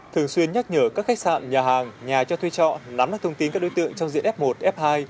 thường xuyên nhắc nhở các khách sạn nhà hàng nhà cho thuê trọ nắm được thông tin các đối tượng trong diện f một f hai